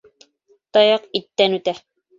Таяҡ иттән үтә.